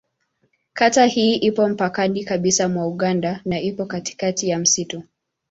Kata hii ipo mpakani kabisa mwa Uganda na ipo katikati ya msitu.